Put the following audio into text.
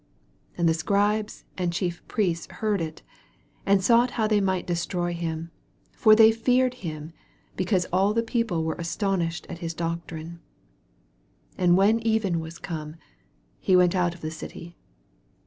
18 And the Scribes and Chief Priests heard it. and sought how they might destroy him : for they feared him, because all the people were aston ished at his doctrine. 19 And when even was come, he went out of the city.